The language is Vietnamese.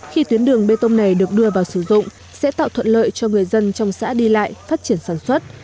khi tuyến đường bê tông này được đưa vào sử dụng sẽ tạo thuận lợi cho người dân trong xã đi lại phát triển sản xuất